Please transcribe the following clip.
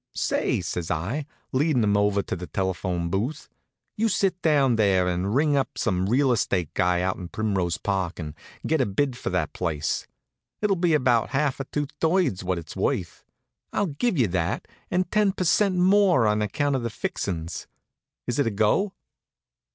"Say," says I, leadin' him over to the telephone booth, "you sit down there and ring up some real estate guy out in Primrose Park and get a bid for that place. It'll be about half or two thirds what it's worth. I'll give you that, and ten per cent. more on account of the fixin's. Is it a go?"